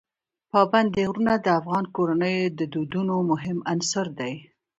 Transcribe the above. پابندی غرونه د افغان کورنیو د دودونو مهم عنصر دی.